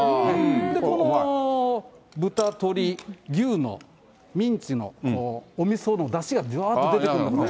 この豚、鶏、牛のミンチのおみそのだしがぶわっと出てくるのが。